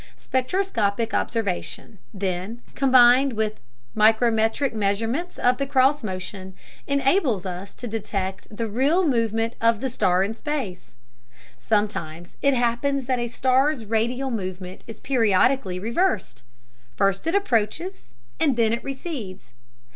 Spectroscopic observation, then, combined with micrometric measurements of the cross motion, enables us to detect the real movement of the star in space. Sometimes it happens that a star's radial movement is periodically reversed; first it approaches, and then it recedes.